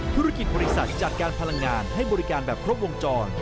ธุรกิจบริษัทจัดการพลังงานให้บริการแบบครบวงจร